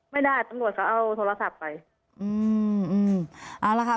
ไม่ได้ตำรวจเขาเอาโทรศัพท์ไป